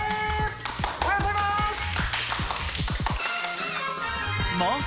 おはようございます。